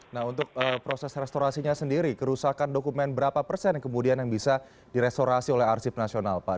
nah untuk proses restorasinya sendiri kerusakan dokumen berapa persen yang kemudian bisa di restorasi oleh arsip nasional pak